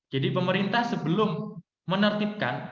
jadi pemerintah sebelum menertibatkan